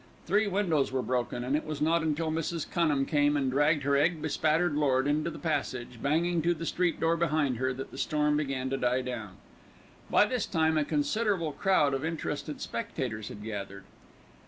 Three windows were broken, and it was not until Mrs. Cunham came and dragged her egg bespattered lord into the passage, banging to the street door behind her, that the storm began to die down. By this time a considerable crowd of interested spectators had gathered.